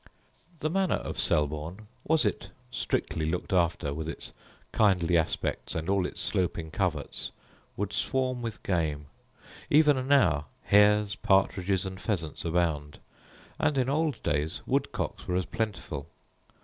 The manor of Selborne, was it strictly looked after, with its kindly aspects, and all its sloping coverts, would swarm with game; even now hares, partridges, and pheasants abound; and in old days woodcocks were as plentiful.